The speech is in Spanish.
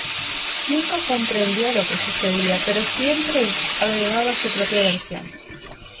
Nunca comprendió lo que sucedía, pero siempre agregaba su propia versión".